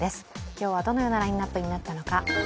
今日はどのようなラインナップになったのか。